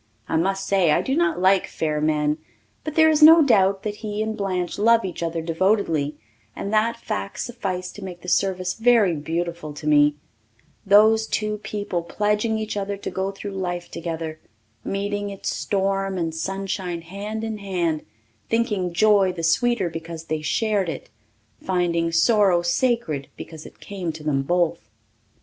I must say I do not like fair men. But there is no doubt that he and Blanche love each other devotedly and that fact sufficed to make the service very beautiful to me those two people pledging each other to go through life together, meeting its storm and sunshine hand in hand, thinking joy the sweeter because they shared it, finding sorrow sacred because it came to them both.